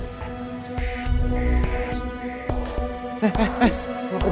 maning aja bunce